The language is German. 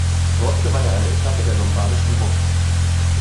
Dort gewann er eine Etappe der Lombardischen Woche.